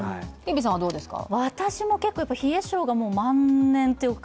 私も冷え性が万年というか。